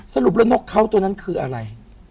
สรุปแล้วนกเขาตัวนั้นคืออะไร